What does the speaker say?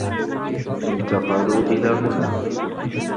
انتقلوا إلى هنا.